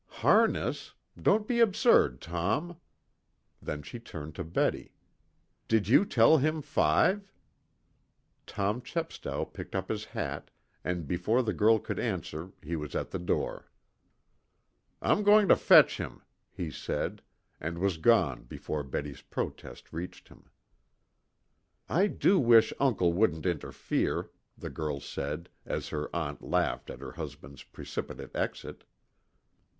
"Harness? Don't be absurd, Tom." Then she turned to Betty. "Did you tell him five?" Tom Chepstow picked up his hat, and before the girl could answer he was at the door. "I'm going to fetch him," he said, and was gone before Betty's protest reached him. "I do wish uncle wouldn't interfere," the girl said, as her aunt laughed at her husband's precipitate exit.